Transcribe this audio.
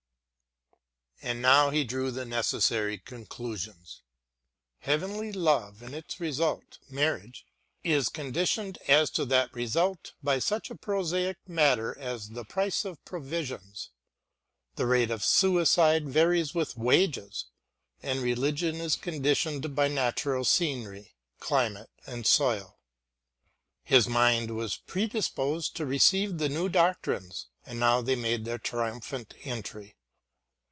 And now he drew the necessary conclusions. Heavenly love and its result, marriage, is conditioned as to that result by such a prosaic matter as the price of provisions; the rate of suicide varies with wages, and religion is conditioned by natural scenery, climate and soil. His mind was predisposed to receive the new doctrines, and now they made their triumphant entry.